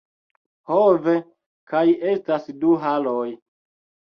Ho ve kaj estas du haloj